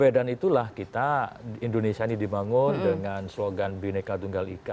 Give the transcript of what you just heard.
dan itulah kita indonesia ini dimangun dengan slogan bineka tunggal ika